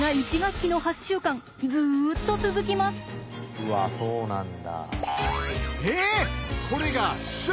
うわそうなんだ。